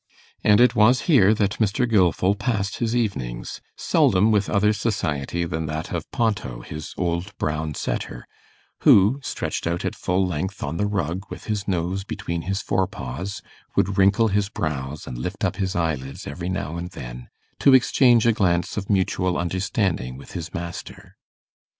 And it was here that Mr. Gilfil passed his evenings, seldom with other society than that of Ponto, his old brown setter, who, stretched out at full length on the rug with his nose between his fore paws, would wrinkle his brows and lift up his eyelids every now and then, to exchange a glance of mutual understanding with his master.